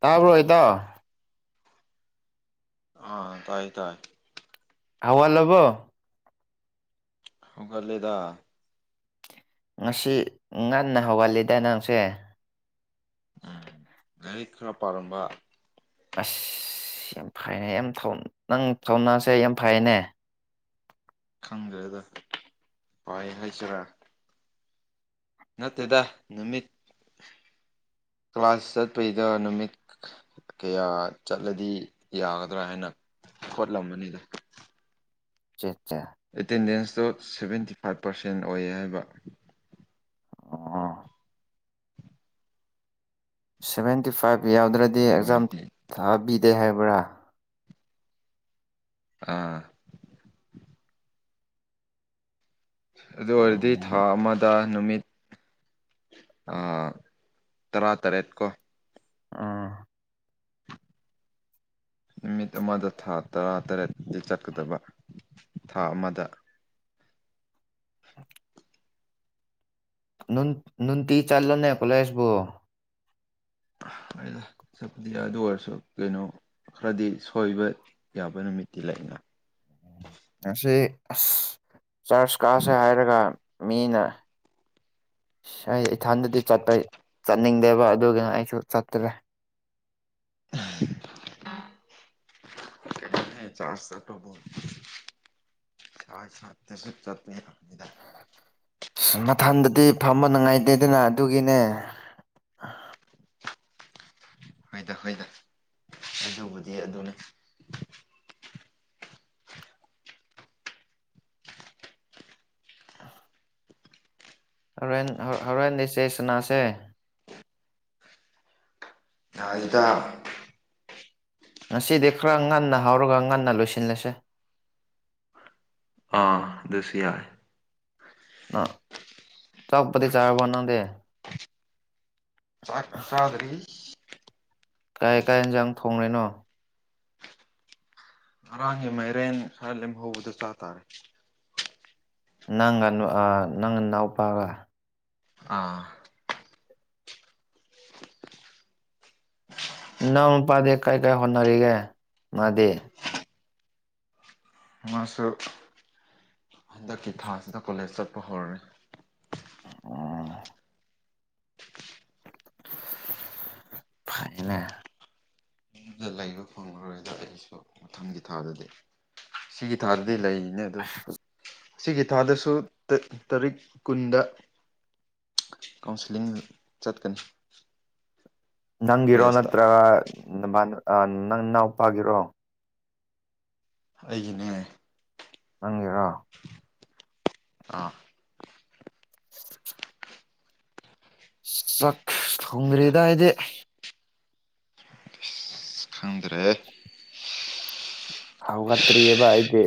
ꯇꯕ ꯍꯇꯥ ꯑꯥ ꯇꯥꯏ ꯇꯥꯏ ꯍꯋꯥꯋꯥ ꯂꯕꯣ ꯍꯒꯥꯂꯗ ꯉꯁꯤ ꯉꯟꯅ ꯍꯧꯒꯜꯂꯤꯗ ꯅꯪꯁꯦ ꯎꯝ ꯉꯔꯤ ꯈꯨꯅꯥ ꯄꯥꯔꯝꯕ ꯑꯁ ꯌꯥꯝ ꯐꯩꯅꯦ ꯌꯥꯝ ꯅꯪ ꯊꯧꯅꯁꯦ ꯌꯥꯝ ꯐꯩꯅꯦ ꯈꯪꯗ꯭ꯔꯦꯗ ꯐꯥꯏ ꯍꯥꯏꯁꯤꯔ ꯅꯠꯇꯦꯗ ꯅꯨꯃꯤꯠ ꯀ꯭ꯂꯥꯁ ꯄꯩꯖ ꯅꯨꯃꯤꯠ ꯀꯌꯥ ꯆꯠꯂꯗꯤ ꯌꯥꯒꯗ꯭ꯔꯥ ꯍꯥꯏꯅ ꯈꯣꯠꯂꯝꯕꯅꯤꯗ ꯁ ꯆ ꯑꯦꯇꯦꯟꯗꯦꯟꯁꯇꯣ ꯁꯚꯦꯟꯇꯤ ꯐꯥꯏꯚ ꯄꯥꯔꯁꯦꯟ ꯑꯣꯏꯌꯦ ꯍꯥꯏꯕ ꯑ ꯑ ꯁꯚꯦꯟꯇꯤ ꯐꯥꯏꯚ ꯌꯥꯎꯗ꯭ꯔꯗꯤ ꯑꯗꯨ ꯑꯦꯛꯖꯥꯝ ꯑꯣꯏꯔꯗꯤ ꯊꯥꯕꯤꯗꯦ ꯍꯥꯏꯕ꯭ꯔꯥ ꯑꯥ ꯑꯗꯨ ꯑꯣꯏꯔꯗꯤ ꯊꯥ ꯑꯃꯗ ꯅꯨꯃꯤꯠ ꯑ ꯇꯔꯥ ꯇꯔꯦꯠ ꯀꯣ ꯑꯥ ꯅꯨꯃꯤꯠ ꯑꯃꯗ ꯊꯥ ꯇꯔꯥꯇꯔꯦꯠꯇ ꯆꯠꯀꯗꯕ ꯊꯥ ꯑꯃꯗ ꯅꯨꯟ ꯅꯨꯟꯇꯤ ꯆꯥꯂꯣꯅꯦ ꯀꯂꯁꯕꯣ [unintelligible] ꯗ ꯆꯄꯗꯤ ꯑꯗꯨ ꯑꯣꯏꯔꯁꯨ ꯀꯩꯅꯣ ꯈꯔꯗꯤ ꯁꯣꯏꯕ ꯌꯥꯕ ꯅꯨꯃꯤꯠꯇꯤ ꯂꯩꯅ ꯉ ꯑꯁ ꯆꯥꯔꯆ ꯀꯛꯥꯁꯦ ꯍꯥꯏꯔꯒ ꯃꯤꯅ ꯑꯩ ꯏꯊꯟꯗꯗꯤ ꯆꯠꯄ ꯆꯠꯅꯤꯡꯗꯦꯕ ꯑꯗꯨꯅ ꯑꯩꯁꯨ ꯆꯠꯇ꯭ꯔꯦ [unintelligible] ꯆꯥ ꯆ ꯇꯕ ꯆꯏ ꯁꯥꯠꯇꯁꯨꯠ ꯆꯠꯄꯅꯤꯗ ꯑꯁ ꯃꯊꯟꯗꯗꯤ ꯐꯝꯕ ꯅꯨꯡꯉꯥꯏꯇꯦꯗꯅ ꯑꯗꯨꯒꯤꯅꯦ ꯍꯣꯏꯗ ꯍꯣꯏꯗ ꯑꯗꯨꯕꯨꯗꯤ ꯑꯗꯨꯅꯤ ꯍꯣꯔꯦꯟ ꯂꯤ ꯆꯦꯁꯅꯥꯁꯦ ꯌꯥꯏꯗ ꯉꯁꯤꯗꯤ ꯈꯔ ꯉꯟꯅ ꯍꯧꯔꯒ ꯉꯟꯅ ꯂꯣꯏꯁꯤꯜꯂꯁꯦ ꯑꯥ ꯑꯗꯨꯁꯤ ꯌꯥꯏ ꯆꯞꯄꯗꯤ ꯆꯥ ꯋꯥꯅꯅꯥꯗ ꯆꯥꯛꯆꯗꯔꯤ ꯀꯥꯏ ꯀꯥꯏ ꯌꯦꯟꯁꯥꯡ ꯊꯣꯡꯂꯔꯤꯅꯣ ꯉꯔꯥꯡꯒꯤ ꯃꯥꯏꯔꯦꯟ ꯂꯦꯝꯍꯧꯕꯗ ꯆꯥ ꯇꯥꯔꯦ ꯅꯪ ꯑ ꯅꯪꯅꯥꯎꯄꯥꯒ ꯑꯥ ꯅꯪꯄꯥꯗꯤ ꯀꯥꯏ ꯀꯥꯏ ꯍꯣꯠꯅꯔꯤꯒꯦ ꯃꯥꯗꯤ ꯃꯥꯁꯨ ꯍꯟꯗꯛꯀꯤ ꯊꯥꯁꯤꯗ ꯀꯣꯂꯦꯖ ꯆꯠꯄ ꯍꯧꯔꯦ ꯎꯝ ꯐꯥꯏꯅꯦ ꯂꯩꯕ ꯐꯪꯂꯉꯔꯣꯏꯗ ꯑꯩꯁꯨ ꯃꯊꯪꯒꯤ ꯊꯥꯗꯗꯤ ꯁꯤꯒꯤ ꯊꯥꯗ ꯂꯩꯔꯤꯅꯦ ꯑꯗꯨ ꯑꯁꯤꯒꯤ ꯊꯥꯗꯁꯨ ꯇꯥꯔꯤꯛ ꯀꯨꯟꯗ ꯀꯥꯎꯟꯁꯤꯂꯤꯡ ꯆꯠꯀꯅꯤ ꯅꯪꯒꯤꯔꯣ ꯀꯣꯂꯦꯖꯇ ꯅꯠꯇ꯭ꯔꯒ ꯅꯪ ꯏꯅꯥꯎꯄꯥꯒꯤꯔꯣ ꯑꯩꯒꯤꯅꯦ ꯅꯉꯔꯥ ꯑꯥ ꯆꯈ ꯈꯒꯔꯤꯗ ꯏꯦ ꯈꯥꯟꯗ꯭ꯔꯦ ꯍꯥꯎꯒꯠꯇ꯭ꯔꯤꯑꯌꯦꯕ ꯑꯩꯗꯤꯦ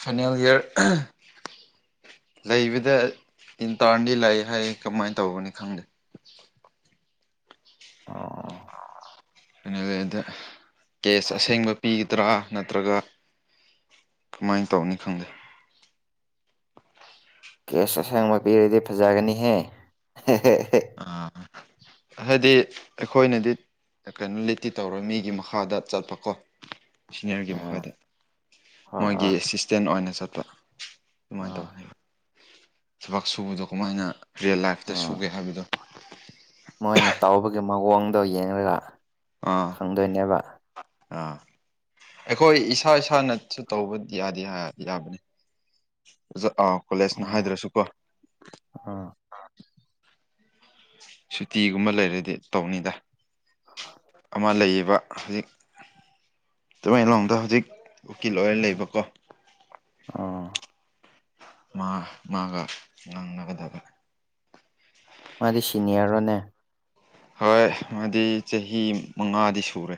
ꯐꯥꯏꯅꯦꯜ ꯏꯌꯔ ꯂꯩꯕꯗ ꯏꯟꯇꯥꯔꯟꯗꯤ ꯂꯩ ꯍꯥꯏ ꯀꯃꯥꯏꯅ ꯇꯧꯕꯅꯤ ꯈꯪꯗꯦ [unintelligible] ꯑꯣ ꯑꯗꯨꯗ ꯀꯦꯁ ꯑꯁꯦꯡꯕ ꯄꯤꯒꯗ꯭ꯔꯥ ꯅꯠꯇ꯭ꯔꯒ ꯀꯃꯥꯏꯅ ꯇꯧꯅꯤ ꯈꯪꯗꯦ ꯀꯦꯁ ꯑꯁꯦꯡꯕ ꯄꯤꯔꯗꯤ ꯐꯖꯒꯅꯤꯍꯦ ꯑꯥ ꯍꯥꯏꯗꯤ ꯑꯩꯈꯣꯏꯅꯗꯤ ꯀꯩꯅꯣ ꯂꯤꯇꯤ ꯇꯧꯔ ꯃꯤꯒꯤ ꯃꯈꯥꯗ ꯆꯠꯄꯀꯣ ꯁꯤꯅꯤꯌꯥꯔꯒꯤ ꯎꯝ ꯃꯈꯥꯗ ꯍꯣꯏ ꯃꯣꯏꯒꯤ ꯍꯣꯏ ꯑꯦꯁꯤꯁꯇꯦꯟ ꯑꯣꯏꯅ ꯆꯠꯄ ꯑꯗꯨꯃꯥꯏꯅ ꯎꯝ ꯇꯧꯒꯅꯦꯕ ꯊꯕꯛ ꯁꯨꯕꯗꯣ ꯀꯃꯥꯏꯅ ꯔꯤꯌꯦꯜ ꯂꯥꯏꯐꯇ ꯎꯝ ꯁꯨꯒꯦ ꯍꯥꯏꯕꯗꯣ ꯃꯣꯏꯅ ꯇꯥꯎꯕꯒꯤ ꯃꯑꯣꯡꯗꯣ ꯌꯦꯡꯉꯒ ꯑꯥ ꯈꯪꯗꯣꯏꯅꯦꯕ ꯑꯥ ꯑꯩꯈꯣꯏ ꯏꯁꯥ ꯏꯁꯥꯅꯁꯨ ꯇꯧꯕ ꯌꯥꯗꯦ ꯌꯥꯕꯅꯤ ꯑꯣꯖ ꯑꯥ ꯀꯣꯂꯦꯖꯅ ꯎꯝ ꯍꯥꯏꯗ꯭ꯔꯁꯨꯀꯣ ꯎꯝ ꯁꯨꯇꯤꯒꯨꯝꯕ ꯂꯩꯔꯗꯤ ꯇꯧꯅꯤꯗ ꯑꯃ ꯂꯩꯔꯤꯕꯕ ꯍꯧꯖꯤꯛ ꯇꯃꯦꯡꯂꯣꯡꯗ ꯍꯧꯖꯤꯛ ꯎꯀꯤꯜ ꯑꯣꯏꯔ ꯂꯩꯕꯀꯣ ꯎꯝ ꯃꯥ ꯃꯥꯒ ꯉꯒꯗꯕ ꯃꯥꯗꯤ ꯁꯤꯅꯤꯌꯔꯣꯅꯦ ꯍꯣꯏ ꯑꯗꯨꯗꯤ ꯆꯍꯤ ꯃꯉꯥꯗꯤ ꯁꯨꯔꯦ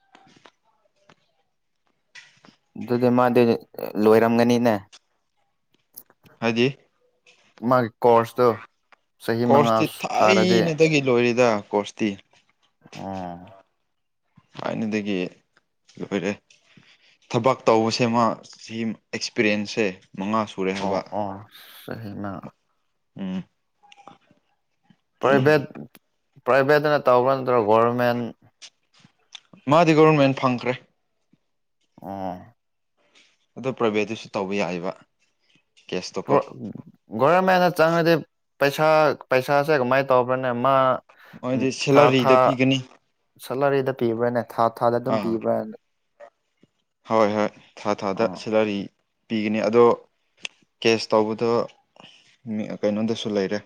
[inaudible] ꯑꯗꯨꯗꯤ ꯃꯥꯗꯤ ꯂꯣꯏꯔꯝꯒꯅꯤꯅꯦ ꯍꯥꯏꯗꯤ ꯃꯥꯒꯤ ꯀꯣꯔꯁ ꯇꯣ ꯀꯣꯔꯁꯇꯤ ꯊꯥꯏꯅꯗꯒꯤ ꯂꯣꯏꯔꯤꯗ ꯀꯣꯔꯁꯇꯤ ꯎꯝ ꯊꯥꯏꯅꯗꯒꯤ ꯀ ꯑꯣꯏꯔꯑꯦ ꯊꯕꯛ ꯇꯧꯕꯁꯦꯃ ꯁꯤ ꯑꯦꯛꯁꯄꯤꯔꯤꯌꯦꯦꯟꯁꯁꯦ ꯑꯣ ꯑꯣ ꯁꯍꯤꯃ ꯎꯝ ꯄ꯭ꯔꯥꯏꯚꯦꯠ ꯄ꯭ꯔꯥꯏꯚꯦꯠꯅ ꯇꯧꯕ ꯅꯠꯇ꯭ꯔꯒ ꯒꯣꯔꯚꯃꯦꯟ ꯃꯥꯗꯤ ꯒꯕꯔꯃꯦꯟ ꯐꯪꯈ꯭ꯔꯦ ꯑ ꯑꯗꯣ ꯄ꯭ꯔꯥꯏꯚꯦꯠꯇꯨꯁꯨ ꯇꯧꯕ ꯌꯥꯏꯕ ꯔꯝ ꯍꯥꯏꯅ ꯆꯥꯡꯗꯤ ꯄꯩꯁꯥ ꯄꯩꯁꯥꯁꯦ ꯀꯃꯥꯏꯅ ꯇꯧꯕ꯭ꯔꯅꯦ ꯃꯥ ꯎꯝ ꯃꯣꯏꯗꯤ ꯊꯥ ꯁꯦꯂꯔꯤꯗ ꯊꯥ ꯄꯤꯒꯅꯤ ꯁꯂꯔꯤꯗ ꯄꯤꯕ꯭ꯔꯥꯅꯦ ꯊꯥ ꯊꯥꯗ ꯑꯗꯨꯝ ꯑꯥ ꯄꯤꯕ꯭ꯔꯅꯦ ꯍꯣꯏ ꯍꯣꯏ ꯊꯥ ꯊꯥꯗ ꯑꯣ ꯁꯦꯂꯔꯤ ꯄꯤꯒꯅꯤ ꯑꯗꯣ ꯀꯦꯁ ꯇꯧꯕꯗꯣ ꯀꯩꯅꯣꯗꯁꯨ ꯂꯩꯔꯦ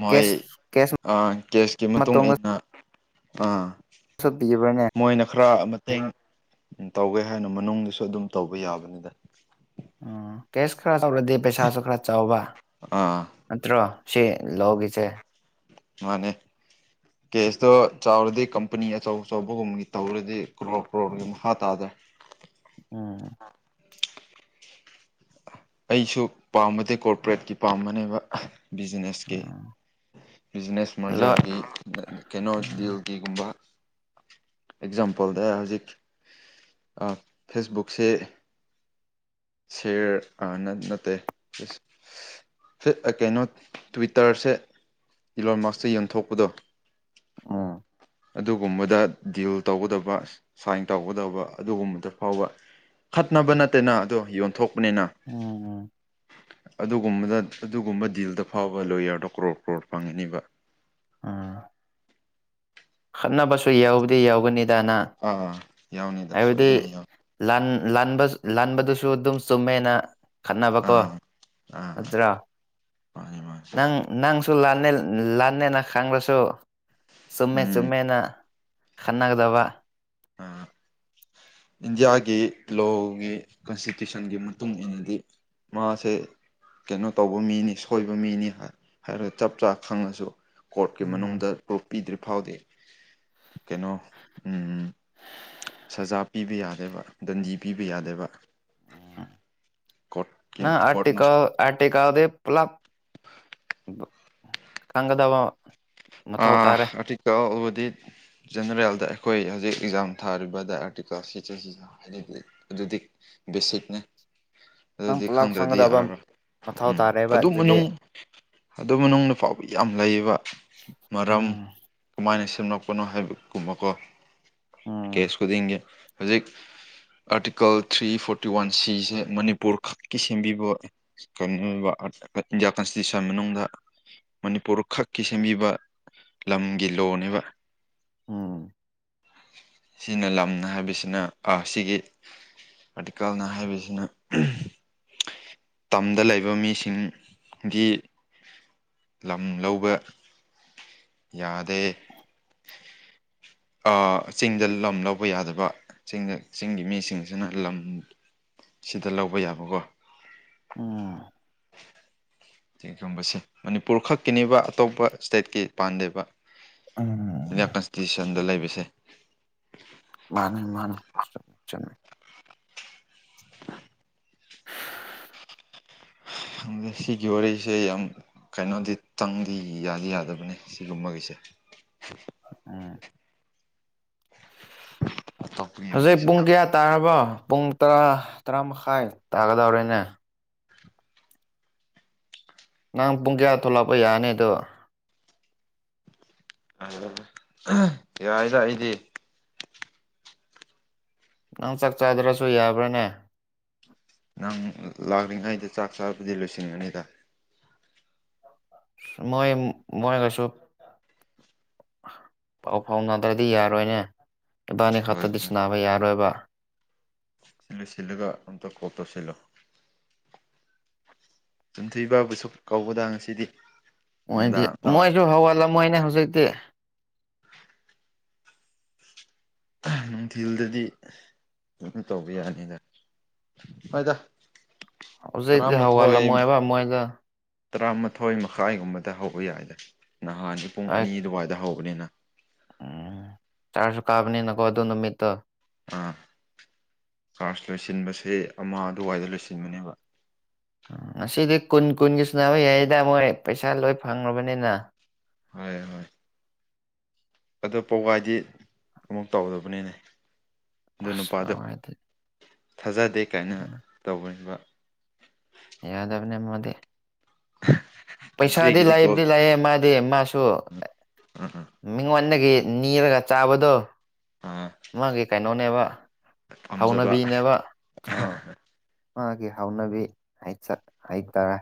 ꯃꯣꯏ ꯀꯦꯁ ꯀꯦꯁ ꯑ ꯀꯦꯁꯀꯤ ꯃꯇꯨꯡ ꯏ ꯃꯇꯣꯡꯗꯁꯨ ꯃꯇꯨꯡꯏꯟꯅ ꯑꯥ ꯄꯤꯕ꯭ꯔꯅꯦ ꯃꯣꯏꯅ ꯈꯔ ꯃꯇꯦꯡ ꯎꯝ ꯇꯧꯒꯦ ꯍꯥꯏꯅ ꯃꯅꯨꯡꯁꯨ ꯑꯗꯨꯝ ꯇꯧꯕ ꯌꯥꯕꯅꯤꯗ ꯎꯝ ꯀꯦꯁ ꯈꯔ ꯇꯧꯔꯗꯤꯦ ꯄꯩꯁꯥꯁꯨ ꯈꯔ ꯆꯥꯎꯕ ꯑꯥ ꯅꯠꯇ꯭ꯔꯣ ꯁꯤ ꯂꯒꯤꯁꯦ ꯃꯥꯅꯦ ꯀꯦꯁꯇꯣ ꯆꯥꯎꯔꯗꯤ ꯀꯝꯄꯅꯤ ꯑꯆꯧ ꯑꯆꯧꯕꯒꯨꯝꯒꯤ ꯇꯧꯔꯗꯤ ꯀ꯭ꯔꯣꯔ ꯀ꯭ꯔꯣꯔꯣꯔꯒꯤ ꯃꯈꯥ ꯇꯥꯗꯦ ꯎꯝ [unintelligible] ꯑꯩꯁꯨ ꯄꯥꯝꯕꯗꯤ ꯀꯣꯔꯄꯔꯦꯠꯀꯤ ꯄꯥꯝꯕꯅꯦꯕ ꯕꯤꯖꯤꯅꯦꯁꯀꯤ ꯎꯝ ꯕꯤꯖꯤꯅꯦꯁ ꯂꯣ ꯃꯥꯖꯔꯒꯤ ꯀꯩꯅꯣ ꯎꯝ ꯗꯤꯜꯒꯤꯒꯨꯝꯕ ꯑꯦꯛꯖꯥꯝꯄꯜꯗ ꯍꯧꯖꯤꯛ ꯐꯦꯁꯕꯨꯛꯁꯦ ꯁꯤꯌꯔ ꯅꯠꯇꯦ ꯀꯩꯅꯣ ꯇ꯭ꯋꯤꯇꯔꯁꯦ ꯏꯂ ꯃꯥꯛꯁꯇ ꯌꯦꯟꯊꯣꯛꯄꯗꯣ ꯎꯝ ꯑꯗꯨꯒꯨꯝꯕꯗ ꯗꯤꯜ ꯇꯧꯒꯗꯕ ꯁꯥꯏꯟ ꯇꯧꯒꯗꯕ ꯑꯗꯨꯒꯨꯝꯕꯗ ꯐꯥꯎꯕ ꯈꯠꯅꯕ ꯅꯠꯇꯦꯅ ꯑꯗꯣ ꯌꯣꯟꯊꯣꯛꯄꯅꯤꯅ ꯑꯣꯝ ꯎꯝ ꯑꯗꯨꯒꯨꯝꯕꯗ ꯑꯗꯨꯒꯨꯝꯕ ꯗꯤꯜꯗ ꯐꯥꯎꯕ ꯂꯣꯣꯌꯔꯗꯣ ꯀ꯭ꯔꯣꯔ ꯀ꯭ꯔꯣꯔ ꯐꯪꯉꯅꯤꯕ ꯑꯝ ꯈꯠꯅꯕꯁꯨ ꯌꯥꯎꯗꯤ ꯌꯥꯎꯒꯅꯤꯗꯅ ꯑꯥ ꯌꯥꯎꯅꯤꯗ ꯍꯥꯏꯕꯗꯤ ꯁꯣꯏꯗꯅ ꯌꯥꯎ ꯂꯥꯟ ꯂ ꯂꯟꯥꯟꯕꯗꯨꯁꯨ ꯑꯗꯨꯝ ꯆꯨꯝꯃꯦꯅ ꯈꯠꯅꯕꯀꯣ ꯑꯥ ꯑꯥ ꯅꯠꯇ꯭ꯔꯣ ꯃꯥꯅꯤ ꯃꯥꯅꯤ ꯅꯪ ꯅꯪ ꯂꯅꯦ ꯂꯅꯦ ꯅ ꯈꯥꯡ꯭ꯔꯁꯨ ꯎꯝ ꯈꯅꯥꯒꯗꯕ ꯑꯥ ꯏꯟꯗꯤꯌꯥꯒꯤ ꯂꯣꯒꯤ ꯀꯟꯁꯇꯤꯇ꯭ꯌꯨꯁꯟꯒꯤ ꯃꯇꯨꯡ ꯏꯟꯅꯗꯤ ꯃꯥꯁꯦ ꯀꯩꯅꯣ ꯇꯧꯕ ꯃꯤꯅꯤ ꯁꯣꯏꯕ ꯃꯤꯅꯤ ꯍꯥꯏꯔꯒ ꯆꯞ ꯆꯥ ꯈꯪꯉꯁꯨ ꯀꯣꯔꯠꯀꯤ ꯎꯝ ꯃꯅꯨꯡꯗ ꯄ꯭ꯔꯨꯐ ꯄꯤꯗ꯭ꯔꯤ ꯐꯥꯎꯗꯤ ꯀꯩꯅꯣ ꯎꯝ ꯁꯖꯥ ꯄꯤꯕ ꯌꯥꯗꯦꯕ ꯗꯟꯗꯤ ꯄꯤꯕ ꯌꯥꯗꯦꯕ ꯀꯣꯔꯠꯀꯤ ꯅ ꯀꯣꯔꯠꯅ ꯑꯔꯇꯀ ꯇꯦꯛꯀꯥꯗ ꯄꯂ ꯀꯪꯒꯗꯕ ꯑ ꯑ ꯆ ꯍꯥꯏꯗꯤ ꯖꯦꯅꯔꯦꯜꯗ ꯑꯩꯈꯣꯏ ꯍꯧꯖꯤꯛ ꯑꯦꯛꯖꯥꯝ ꯊꯥꯔꯤꯕꯗ ꯑꯥꯔꯇꯤꯀꯜ ꯁꯤꯁ ꯍꯥꯏꯗꯤꯗꯤ ꯑꯗꯨꯗꯤ ꯁꯤꯠꯅꯦ ꯅꯪ ꯑꯗꯨꯗꯤ ꯄꯨꯂꯞ ꯈꯪꯗ꯭ꯔꯗꯤ ꯈꯪꯒꯗꯕ ꯌꯥꯔꯔꯣꯏ ꯃꯊꯧ ꯎꯝ ꯇꯥꯔꯦꯕ ꯑꯗꯨ ꯑꯗꯨꯗꯤ ꯃꯅꯨꯡ ꯑꯗꯨ ꯃꯅꯨꯡꯗꯅ ꯐꯥꯎꯕ ꯌꯥꯝ ꯂꯩꯌꯦꯕ ꯃꯔꯝ ꯎꯝ ꯀꯃꯥꯏꯅ ꯁꯦꯝꯂꯛꯄꯅꯣ ꯍꯥꯏꯕꯒꯨꯝꯕꯀꯣ ꯎꯝ ꯀꯦꯁ ꯈꯨꯗꯤꯡꯒꯤ ꯍꯧꯖꯤꯛ ꯑꯥꯔꯇꯤꯀꯜ ꯊ꯭ꯔꯤ ꯐꯣꯔꯇꯤ ꯋꯥꯟ ꯁꯤꯁꯦ ꯃꯅꯤꯄꯨꯔ ꯈꯛꯀꯤ ꯁꯦꯝꯕꯤꯕ ꯀꯩꯅꯣꯕ ꯏꯟꯗꯤꯌꯥ ꯀꯟꯁꯇꯤꯇ꯭ꯌꯨꯁꯟ ꯃꯅꯨꯡꯗ ꯃꯅꯤꯄꯨꯔ ꯈꯛꯀꯤ ꯁꯦꯝꯕꯤꯕ ꯂꯝꯒꯤ ꯂꯣꯅꯦꯕ ꯑꯝ ꯁꯤꯅ ꯂꯝ ꯍꯥꯏꯕꯁꯤꯅ ꯁꯤꯒꯤ ꯑꯥꯔꯇꯤꯀꯜꯅ ꯍꯥꯏꯕꯁꯤꯅ ꯇꯝꯗ ꯂꯩꯕ ꯃꯤꯁꯤꯡꯒꯤ ꯂꯝ ꯂꯧꯕ ꯌꯥꯗꯦ ꯆꯤꯡꯗ ꯂꯝ ꯂꯧꯕ ꯌꯥꯗꯕ ꯆꯤꯡꯗ ꯆꯤꯡꯒꯤ ꯃꯤꯁꯤꯡꯁꯤꯅ ꯂꯝ [inaudible] ꯗ ꯂꯧꯕ ꯌꯥꯕꯀꯣ ꯎꯝ ꯁꯤꯒꯨꯝꯕꯁꯦ ꯃꯅꯤꯄꯨꯔ ꯈꯛꯀꯤꯅꯦꯕ ꯑꯇꯣꯞꯄ ꯏꯁꯇꯦꯠꯀꯤ ꯄꯥꯟꯗꯕ ꯎꯝ ꯏꯟꯗꯤꯌꯥꯟ ꯀꯟꯁꯇꯤꯇ꯭ꯌꯨꯁꯟꯗ ꯂꯩꯕꯁꯦ ꯃꯥꯅꯦ ꯃꯥꯅꯦ ꯆ ꯈꯪꯗꯦ ꯁꯤꯒꯤ ꯋꯥꯔꯤꯁꯦ ꯌꯥꯝ ꯀꯩꯅꯣꯗꯤ ꯇꯪꯗꯤ ꯌꯥꯗꯤ ꯌꯥꯗꯕꯅꯤ ꯁꯤꯒꯨꯝꯕꯒꯤꯁꯦ ꯑꯝ ꯑꯇꯣꯞꯄꯒꯤ ꯋꯥꯔꯤ ꯍꯧꯖꯤꯛ ꯁꯥ ꯄꯨꯡ ꯀꯌꯥ ꯇꯥꯔꯕꯣ ꯄꯨꯡ ꯇꯔꯥ ꯇꯔꯥ ꯃꯈꯥꯏ ꯇꯥꯒꯗꯧꯔꯦꯅꯦ ꯅꯪ ꯄꯨꯡ ꯀꯌꯥ ꯊꯣꯛꯂꯛꯄ ꯌꯥꯅꯤ ꯑꯗꯣ ꯑ ꯌꯥꯏꯗ ꯑꯩꯗꯤ ꯅꯪ ꯆꯥꯛ ꯆꯥꯗ꯭ꯔꯁꯨ ꯌꯥꯕ꯭ꯔꯅꯦ ꯅꯪ ꯂꯥꯛꯂꯤꯉꯩꯗ ꯆꯥꯛ ꯆꯥꯕꯗꯤ ꯂꯣꯏꯁꯤꯟꯒꯅꯤꯗ ꯃꯣꯏ ꯃꯣꯏ ꯀꯣꯏꯁꯨ ꯄꯥꯎ ꯐꯥꯎ ꯅꯥꯗ꯭ꯔꯗꯤ ꯌꯥꯔꯣꯏꯅꯦ ꯗꯥꯅꯤ ꯈꯛꯇꯗꯤ ꯁꯤꯟꯅꯅꯥꯕ ꯌꯥꯔꯣꯏꯕ ꯁꯤꯜꯂꯨ ꯁꯤꯜꯂꯒ ꯑꯝꯇ ꯀꯣꯛꯜ ꯇꯧꯁꯤꯜꯂꯨ ꯆꯨꯝꯊꯣꯏ ꯕꯥꯕꯨꯁꯨ ꯀꯧꯕꯗ ꯉꯁꯤꯗꯤ ꯃꯣꯏꯗꯤ ꯅꯨꯡꯗꯥꯡ ꯑꯥ ꯃꯣꯏꯁꯨ ꯍꯧꯒꯜꯂꯝꯃꯣꯏꯅꯦ ꯍꯧꯖꯤꯛꯇꯤ ꯅꯨꯡꯊꯤꯜꯗꯗꯤ ꯑꯗꯨꯝ ꯇꯧꯕ ꯌꯥꯅꯤꯗ ꯍꯣꯏꯗ ꯍꯧꯖꯤꯛꯗꯤ ꯇꯔꯥꯃꯥꯊꯣꯏ ꯍꯧꯒꯠꯂꯝꯃꯣꯏ ꯍꯥꯏꯕ ꯃꯣꯏꯒ ꯇꯔꯥꯃꯥꯊꯣꯏ ꯃꯈꯥꯏꯒꯨꯝꯕꯗ ꯍꯧꯕ ꯌꯥꯏꯗꯦ ꯅꯍꯥꯟꯗꯤ ꯄꯨꯡ ꯑꯩ ꯑꯅꯤ ꯑꯗꯨꯋꯥꯏꯗ ꯍꯧꯕꯅꯤꯅ ꯁꯨꯨ ꯀꯥꯕꯅꯤꯅ ꯀꯣ ꯑꯗꯨꯣ ꯅꯨꯃꯤꯠꯇ ꯑꯥ ꯀꯥꯔꯖ ꯂꯣꯏꯁꯤꯟꯕꯁꯦ ꯑꯃ ꯑꯗꯨꯋꯥꯏꯗ ꯂꯣꯏꯁꯤꯟꯕꯅꯦꯕ ꯉꯁꯤꯗꯤ ꯀꯨꯟ ꯀꯨꯟꯒꯤ ꯁꯨꯅꯕ ꯌꯥꯏꯗꯃꯣꯏ ꯄꯩꯁꯥ ꯂꯣꯏ ꯐꯪ꯭ꯔꯕꯅꯤꯅ ꯍꯣꯏ ꯍꯣꯏ ꯑꯣ ꯄꯒꯥꯏꯗꯤ ꯑꯃꯨꯛ ꯇꯧꯗꯕꯅꯤꯅꯦ ꯑꯗꯨ ꯅꯨꯄꯥꯗꯣ ꯑꯁꯥꯏ ꯑꯗꯨ ꯊꯥꯖꯗꯦ ꯀꯥꯏꯅ ꯇꯧꯕꯅꯤꯡꯕ ꯍ [inaudible] ꯄꯩꯁꯥꯗꯤ ꯁꯤꯒꯤꯗꯤꯀꯣ ꯂꯩꯕꯨꯗꯤ ꯂꯩꯑ ꯃꯥꯗꯤ ꯃꯥꯁꯨ ꯑꯥ ꯑꯥ ꯃꯤꯉꯣꯟꯗ ꯃꯥꯒꯤ ꯅꯤꯔꯒ ꯆꯥꯕꯗꯣ ꯑꯥ ꯃꯥꯒꯤ ꯀꯩꯅꯣꯅꯦꯕ ꯄꯥꯝꯖꯕ ꯍꯧꯅꯕꯤꯅꯦꯕ ꯑꯥ ꯃꯥꯒꯤ ꯍꯧꯅꯕꯤ ꯍꯩꯇꯥꯔꯦ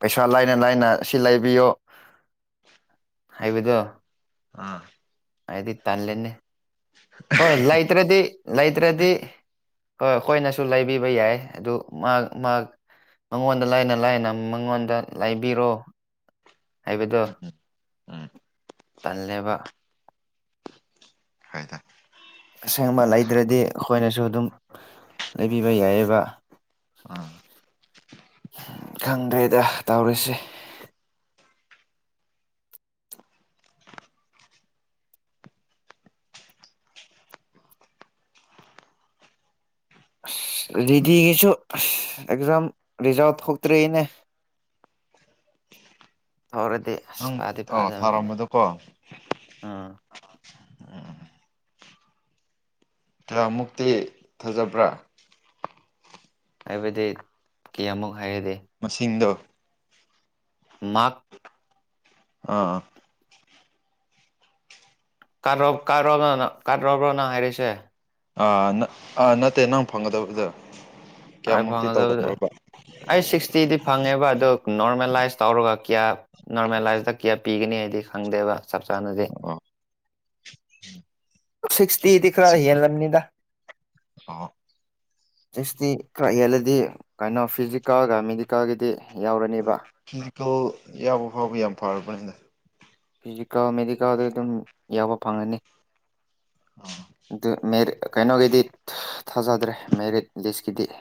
ꯄꯩꯁꯥ ꯂꯥꯏꯅ ꯂꯥꯏꯅ ꯁꯤ ꯂꯩꯕꯤꯌꯣ ꯍꯥꯏꯕꯗꯣ ꯑꯥ ꯍꯥꯏꯗꯤ ꯇꯜꯂꯅꯤ ꯍꯣꯏ ꯂꯩꯇ꯭ꯔꯗꯤ ꯂꯩꯇ꯭ꯔꯗꯤ ꯍꯣꯏ ꯍꯣꯏꯅꯁꯨ ꯂꯩꯕꯤꯕ ꯌꯥꯏ ꯑꯗꯨ ꯃꯥ ꯃꯉꯣꯟꯗ ꯂꯥꯏꯅ ꯂꯥꯏꯅ ꯃꯉꯣꯟꯗ ꯂꯥꯏꯕꯤꯔꯣ ꯍꯥꯏꯕꯗꯣ ꯎꯝ ꯎꯝ ꯇꯜꯂꯦꯕ ꯐꯣꯏꯗ ꯑꯁꯦꯡꯕ ꯂꯩꯗ꯭ꯔꯗꯤ ꯑꯩꯈꯣꯏꯅꯁꯨ ꯑꯗꯨꯝ ꯂꯩꯕꯤꯕ ꯌꯥꯏꯑꯕ ꯑꯥ ꯈꯪꯒꯩꯗ ꯇꯧꯔꯤꯁꯦ ꯑꯁ ꯔꯦꯗꯤꯒꯤꯁꯨ ꯑꯦꯛꯖꯥꯝ ꯔꯤꯖꯥꯥꯎꯠ ꯊꯣꯛꯇ꯭ꯔꯦꯏꯅꯦ ꯊꯔꯗꯤ ꯑ ꯊꯥꯔꯝꯕꯗꯣꯀꯣ ꯑꯥ ꯀꯌꯥꯃꯨꯛꯇꯤ ꯊꯥꯖꯕ꯭ꯔꯥ ꯍꯥꯏꯕꯗꯤ ꯀꯌꯥꯃꯨꯛ ꯍꯥꯏꯔꯗꯤꯦ ꯃꯁꯤꯡꯗꯣ ꯃꯥꯛ ꯑꯥ ꯣ ꯀꯥꯣꯕ꯭ꯔꯣꯅ ꯍꯥꯏꯔꯤꯁꯦ ꯑꯥ ꯑꯥ ꯅꯠꯇꯦ ꯅꯪ ꯐꯪꯒꯗꯕꯗꯨꯗ ꯑꯩ ꯐꯪꯒꯗꯕꯗ ꯑꯩ ꯁꯤꯛꯁꯇꯤꯗꯤ ꯐꯪꯉꯦꯕ ꯑꯗꯨ ꯅꯣꯔꯃꯦꯂꯥꯏꯁ ꯇꯧꯔꯒ ꯀꯌꯥ ꯅꯣꯔꯃꯦꯂꯥꯏꯁꯇ ꯀꯌꯥ ꯄꯤꯒꯅꯤ ꯍꯥꯏꯗꯤ ꯈꯪꯗꯦꯕ ꯆꯞ ꯆꯥꯅꯗꯤ ꯑꯣ ꯁꯤꯛꯁꯇꯤꯗꯤ ꯈꯔ ꯁꯤ ꯍꯦꯟꯦꯜꯂꯝꯅꯤꯗ ꯑꯣ ꯇꯁꯗꯤ ꯈꯔ ꯌꯦꯜꯂꯗꯤ ꯀꯩꯅꯣ ꯐꯤꯖꯤꯀꯦꯜꯒ ꯃꯦꯗꯤꯀꯦꯜꯒꯤꯗꯤ ꯍꯣꯏ ꯌꯥꯎꯔꯅꯤꯕ ꯐꯤꯖꯤꯀꯦꯜ ꯌꯥꯎꯕ ꯐꯥꯎꯕ ꯌꯥꯝ ꯐꯔꯕꯅꯤꯅ ꯐꯤꯖꯤꯛꯀꯥ ꯃꯦꯗꯤꯀꯥꯗ ꯑꯗꯨꯝ ꯌꯥꯕ ꯐꯪꯒꯅꯤ ꯑ ꯑꯗꯨ ꯀꯩꯅꯣꯒꯤꯗꯤ ꯊꯥꯖꯗ꯭ꯔꯦ ꯃꯦꯔꯤꯠ ꯂꯤꯁꯀꯤꯗꯤ ꯍ